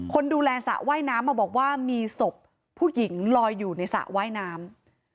คนดูแลสระว่ายน้ำมาบอกว่ามีศพผู้หญิงลอยอยู่ในสระว่ายน้ำ